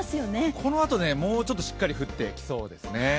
このあと、もうちょっとしっかり降ってきそうですね。